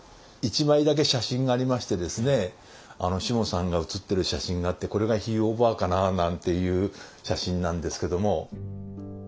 １枚だけ写真がありましてですねしもさんが写ってる写真があってこれがひいおばあかな？なんていう写真なんですけども。